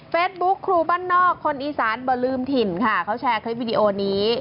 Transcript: ครูบ้านนอกคนอีสานเบอร์ลืมถิ่นค่ะเขาแชร์คลิปวิดีโอนี้